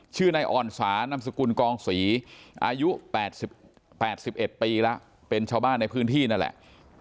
ชื่อนายอ่อนสานำสกุลกองศรีอายุ๘๑ปีแล้วเป็นชาวบ้านในพื้นที่นั่นแหละ